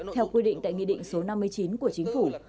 theo quy định tại nghị định số năm mươi chín của chính phủ